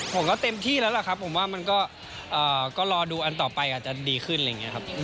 ผมก็เต็มที่แล้วล่ะครับผมว่ามันก็รอดูอันต่อไปอาจจะดีขึ้นอะไรอย่างนี้ครับ